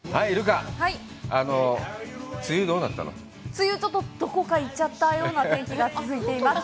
梅雨、どこか行っちゃったような天気が続いています。